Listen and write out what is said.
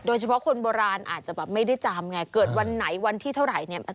คนโบราณอาจจะแบบไม่ได้จำไงเกิดวันไหนวันที่เท่าไหร่เนี่ย